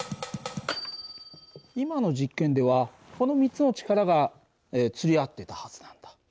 今の実験ではこの３つの力がつり合っていたはずなんだ。